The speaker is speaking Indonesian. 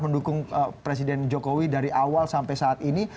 mendukung presiden jokowi dari awal sampai saat ini